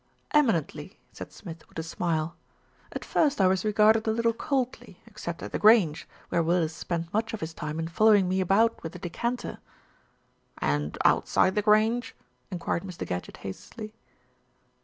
"Eminently!" said Smith with a smile. "At first I was regarded a little coldly, except at The Grange, where Willis spent much of his time in following me about with a decanter." "And outside The Grange?" enquired Mr. Gadgett hastily.